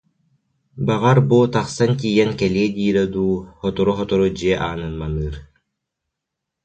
Баҕар, бу тахсан тиийэн кэлиэ диирэ дуу, сотору-сотору дьиэ аанын маныыр